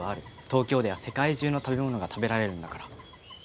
東京では世界中の食べ物が食べられるんだから。